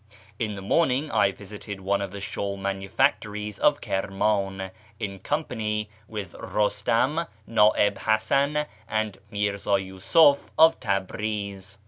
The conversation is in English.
— In the morning I visited one of the shawl manufactories of Kirman in company with Eustam, Na'ib Hasan, and Mirza Yiisuf of Tabriz.